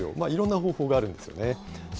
いろんな方法があるんですよね。